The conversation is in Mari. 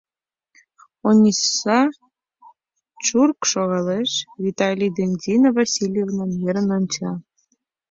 Ониса чурк шогалеш, Виталий ден Зинаида Васильевнам ӧрын онча.